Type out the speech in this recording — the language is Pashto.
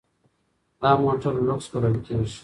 دا موټر لوکس بلل کیږي.